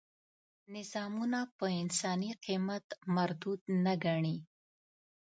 نظامونه په انساني قیمت مردود نه ګڼي.